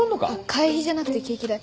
会費じゃなくてケーキ代。